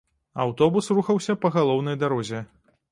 Аўтобус рухаўся па галоўнай дарозе.